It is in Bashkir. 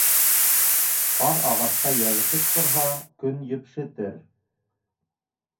Ҡар ағасҡа йәбешеп торһа, көн епшетер.